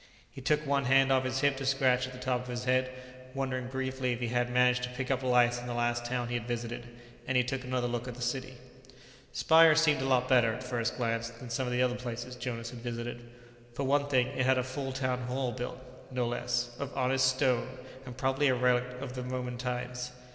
He took one hand off his hip to scratch at the top of his head, wondering briefly if he had managed to pick up lice in the last town he had visited, and he took another look at the city. Speyer seemed a lot better, at first glance, than some of the other places Jonas had visited. For one thing, it had a full town hall, built no less of honest stone, and probably a relict of the Roman times.